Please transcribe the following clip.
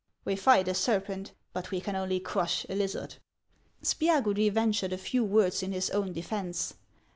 We fight a ser pent, but we can only crush a lizard." Spiagudry ventured a few words in his own defence.